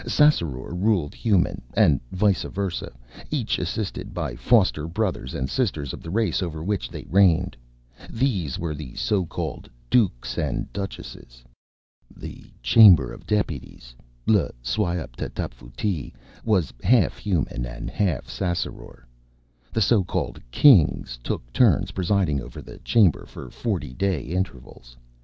Ssassaror ruled Human, and vice versa, each assisted by foster brothers and sisters of the race over which they reigned. These were the so called Dukes and Duchesses. The Chamber of Deputies L'Syawp t' Tapfuti was half Human and half Ssassaror. The so called Kings took turns presiding over the Chamber for forty day intervals.